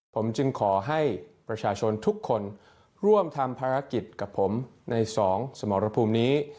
ผมจึงขอให้ประชาชนทุกคนร่วมทำภารกิจกับผมในสองสมรภูมินี้